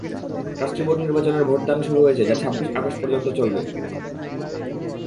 Trustee board নির্বাচনের ভোটদান শুরু হয়েছে যা ছাব্বিশ আগস্ট পর্যন্ত চলবে।